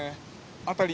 辺り